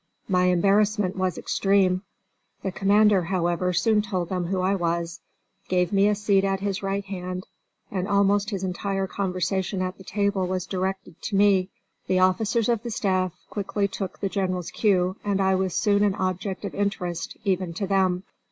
My embarrassment was extreme. The commander however soon told them who I was, gave me the seat at his right hand, and almost his entire conversation at the table was directed to me. The officers of the staff quickly took the General's cue, and I was soon an object of interest, even to them.